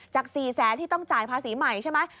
จาก๔๐๐๐๐๐บาทที่ต้องจ่ายภาษีใหม่ใช่ไหม